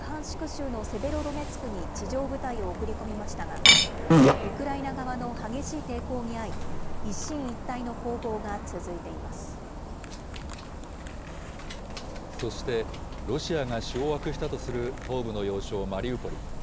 州のセベロドネツクに地上部隊を送り込みましたが、ウクライナ側の激しい抵抗にあい、そして、ロシアが掌握したとする東部の要衝マリウポリ。